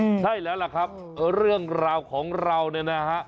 ใช่แล้วล่ะครับเรื่องราวของเราเนี่ยนะฮะ